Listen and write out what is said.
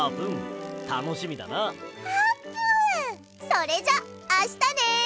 それじゃあしたね！